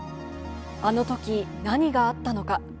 あのとき何があったのか。